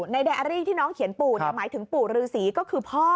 ในแดอารี่ที่น้องเขียนปู่หมายถึงปู่ฤษีก็คือพ่อ